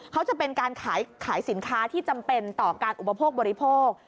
จะเป็นการขายสินค้าที่จำเป็นต่อการอุปโภคบริโภค